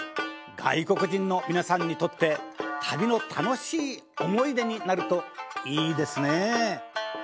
外国人の皆さんにとって旅の楽しい思い出になるといいですねえ。